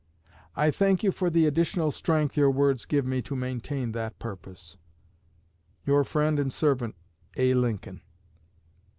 I thank you for the additional strength your words give me to maintain that purpose. Your friend and servant, A. LINCOLN.